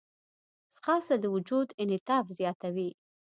ځغاسته د وجود انعطاف زیاتوي